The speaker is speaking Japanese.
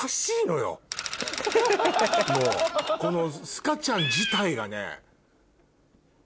もうこのスカちゃん自体がね。